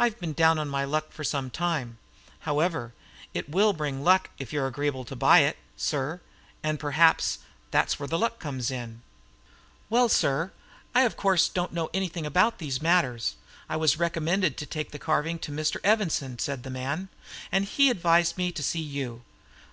"I've been down on my luck for some time. However, it will bring luck if you're agreeable to buy it, sir. Perhaps that's where the luck comes in." "What price do you set upon it?" asked Thurston mechanically. "Well, sir, I, of course, don't know anything about these matters. I was recommended to take the carving to Mr. Evanson," said the man, "and he advised me to see you.